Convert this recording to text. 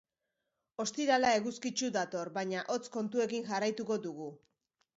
Ostirala eguzkitsu dator, baina hotz kontuekin jarraituko dugu.